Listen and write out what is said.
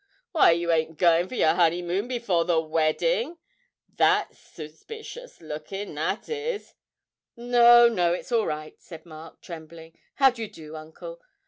'Why, you ain't going for your honeymoon before the wedding? that's suspicious lookin', that is!' 'No, no, it's all right,' said Mark, trembling; 'how do you do, uncle?